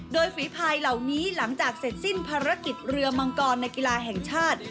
โดยฝีพายเหล่านี้หลังจากเสร็จสิ้นภารกิจเรือมังกรในกีฬาแห่งชาติ